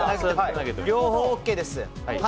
両方ＯＫです。